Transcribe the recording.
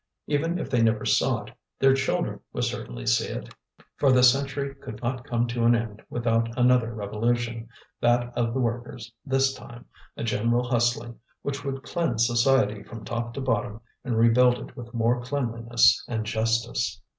Even if they never saw it, their children would certainly see it, for the century could not come to an end without another revolution, that of the workers this time, a general hustling which would cleanse society from top to bottom, and rebuild it with more cleanliness and justice.